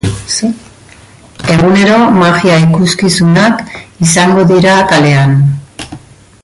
Egunero, magia ikuskizunak izango dira kalean.